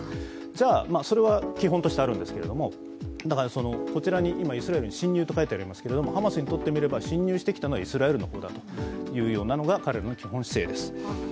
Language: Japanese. じゃあそれは基本としてあるんですけれどもこちらに今、イスラエルに侵入と書いてありますけれども、ハマスにとってみれば侵入してきたのはイスラエルの方だというのが彼らの基本姿勢です。